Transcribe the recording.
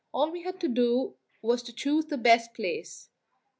All we had to do was to choose the best place.